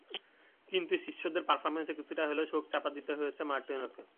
কিন্তু শিষ্যদের পারফরম্যান্স কিছুটা হলেও শোক চাপা দিতে সাহায্য করেছে মার্টিনোকে।